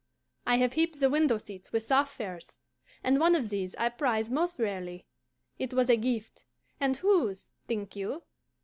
I have heaped the window seats with soft furs, and one of these I prize most rarely. It was a gift and whose, think you?